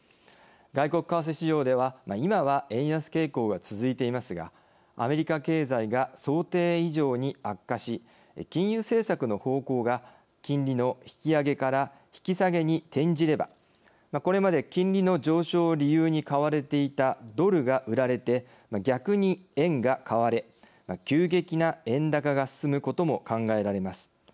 外国為替市場では今は円安傾向が続いていますがアメリカ経済が想定以上に悪化し金融政策の方向が金利の引き上げから引き下げに転じればこれまで金利の上昇を理由に買われていたドルが売られて逆に円が買われ急激な円高が進むことも考えられます。